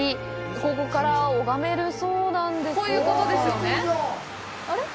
ここから拝めるそうなんですがこういうことですよね？